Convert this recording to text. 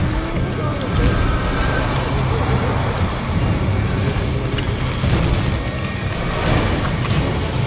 ผมกำลังคิดถึงอยู่พอดีเลยอ่ะ